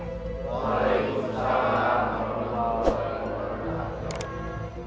wa alaikum salam